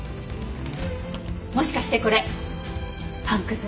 もしかしてこれパンくず？